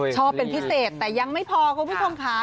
ชอบเป็นพิเศษแต่ยังไม่พอคุณผู้ชมค่ะ